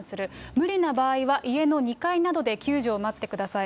無理な場合は、家の２階などで救助を待ってください。